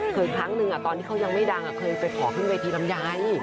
ครั้งหนึ่งตอนที่เขายังไม่ดังเคยไปขอขึ้นเวทีลำไย